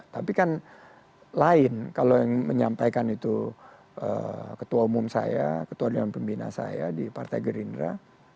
tapi kan lain kalau yang menyampaikan itu ketua umum saya ketua dewan pembina saya di partai gerindra